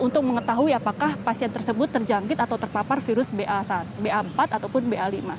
untuk mengetahui apakah pasien tersebut terjangkit atau terpapar virus ba empat ataupun ba lima